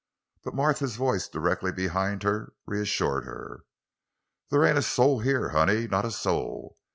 But Martha's voice directly behind her, reassured her. "They ain't a soul here, honey—not a soul.